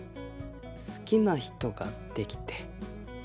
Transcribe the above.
好きな人ができて。